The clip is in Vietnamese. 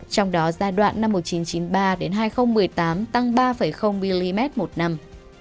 trong đó giai đoạn năm một nghìn chín trăm chín mươi ba hai nghìn một mươi tám tăng ba mm một năm